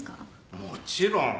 もちろん。